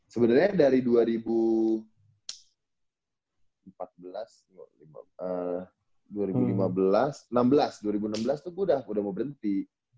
sebenarnya dari dua ribu empat belas dua ribu lima belas dua ribu enam belas tuh gue udah mau berhenti